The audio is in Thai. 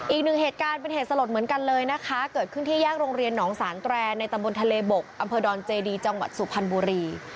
อีกหนึ่งเหตุการณ์เป็นเหตุสลดเหมือนกันเลยนะคะเกิดขึ้นที่แยกโรงเรียนหนองสานแตรในตำบลทะเลบกอำเภอดอนเจดีจังหวัดสุพรรณบุรี